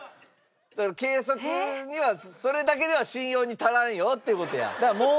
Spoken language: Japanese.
だから警察にはそれだけでは信用に足らんよっていう事や。